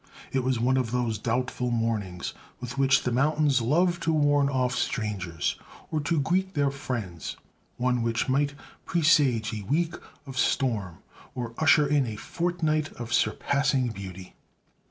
It was one of those doubtful mornings with which the mountains love to warn off strangers, or to greet their friends one which might presage a week of storm or usher in a fortnight of surpassing beauty.